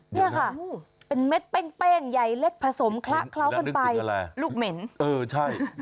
เนี่ยค่ะเป็นเม็ดเป้งใหญ่เล็กผสมคละเคล้ากันไปอะไรลูกเหม็นเออใช่